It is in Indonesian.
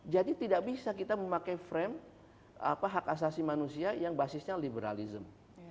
jadi tidak bisa kita memakai frame hak asasi manusia yang basisnya liberalism